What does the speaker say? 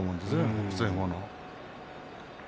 北青鵬は。